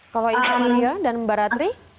kalau ibu maria dan mbak radri